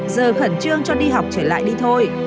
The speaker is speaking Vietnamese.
giờ khẩn trương cho đi học trở lại đi thôi